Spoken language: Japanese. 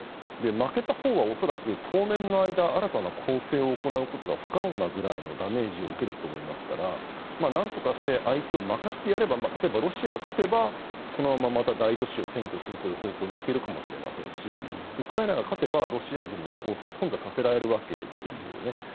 負けたほうは恐らく当面の間新たな攻勢を行うことが不可能なぐらいのダメージを受けると思いますから何とかして相手を負かしてやれば例えばロシアが勝てばこのまま大都市を占拠するという方向にいけるかもしれませんしウクライナが勝てばロシア軍の攻勢をとん挫させられるわけですよね。